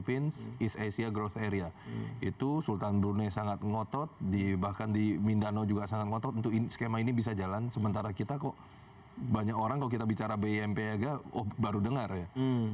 banyak orang kalau kita bicara bimp aja baru dengar ya